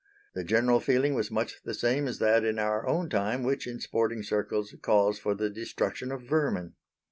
The general feeling was much the same as that in our own time which in sporting circles calls for the destruction of vermin.